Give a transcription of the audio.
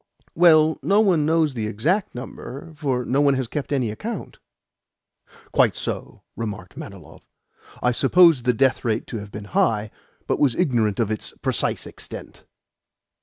"Well, no one knows the exact number, for no one has kept any account." "Quite so," remarked Manilov. "I supposed the death rate to have been high, but was ignorant of its precise extent."